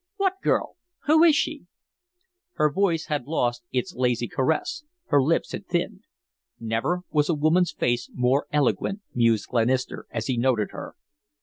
What girl? Who is she?" Her voice had lost its lazy caress, her lips had thinned. Never was a woman's face more eloquent, mused Glenister as he noted her.